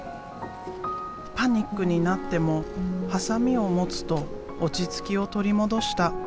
パニックになってもハサミを持つと落ち着きを取り戻した。